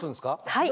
はい。